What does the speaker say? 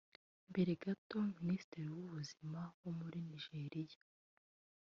Mbere gato Minisitiri w’Ubuzima wo muri Nigeria